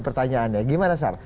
pertanyaannya gimana sar